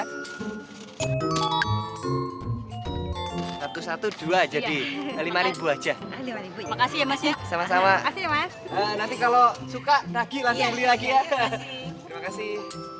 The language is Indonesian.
satu ratus dua belas jadi lima aja makasih masih sama sama nanti kalau suka lagi lagi ya terima kasih